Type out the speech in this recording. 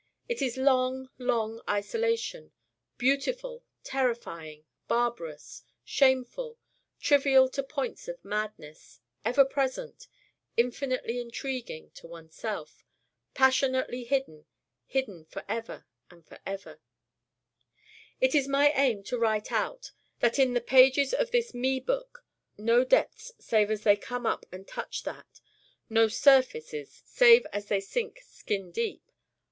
It is long, long isolation beautiful, terrifying, barbarous, shameful, trivial to points of madness, ever present, infinitely intriguing to oneself, passionately hidden: hidden forever and forever It is my aim to write out that in the pages of this Me book: no depths save as they come up and touch that, no surfaces save as they sink skin deep.